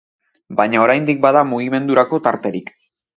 Baina oraindik bada mugimendurako tarterik.